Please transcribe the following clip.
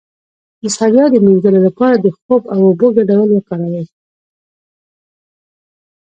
د ستړیا د مینځلو لپاره د خوب او اوبو ګډول وکاروئ